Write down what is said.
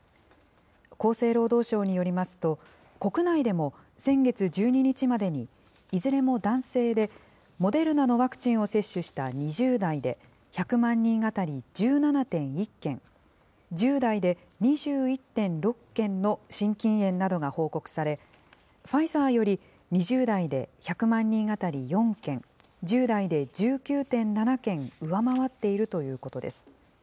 厚生労働省によりますと、国内でも先月１２日までに、いずれも男性で、モデルナのワクチンを接種した２０代で、１００万人当たり１７．１件、１０代で２１．６件の心筋炎などが報告され、ファイザーより２０代で１００万人当たり４件、１０代で１９．７件上回っているということです。